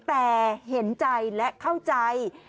แต่เห็นใจและเข้าใจ